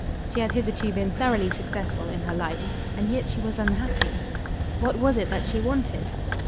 She had hitherto been thoroughly successful in her life. And yet she was unhappy. What was it that she wanted?